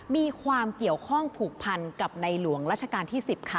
มีความเกี่ยวข้องผูกพันกับในหลวงราชการที่๑๐ค่ะ